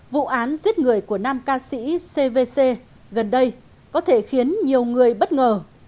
vụ án giết người của nam ca sĩ c v c gần đây có thể khiến nhiều người bất ngờ